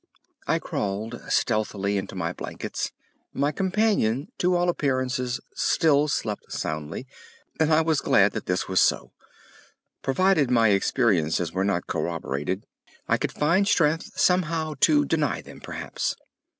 I crawled stealthily into my blankets. My companion, to all appearances, still slept soundly, and I was glad that this was so. Provided my experiences were not corroborated, I could find strength somehow to deny them, perhaps.